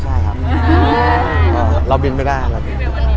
ใช่ครับเราเบียนไม่ได้